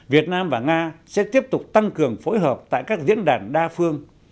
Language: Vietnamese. việt nam và nga sẽ tiếp tục tăng cường phối hợp tại các diễn đàn đa phương